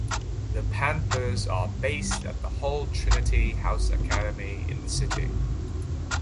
The Panthers are based at the Hull Trinity House Academy in the city.